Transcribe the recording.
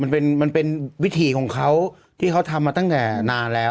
มันเป็นมันเป็นวิถีของเขาที่เขาทำมาตั้งแต่นานแล้ว